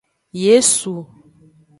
Yesu.